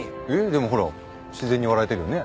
でもほら自然に笑えてるよね？